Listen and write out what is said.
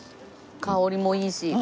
香りもいいし。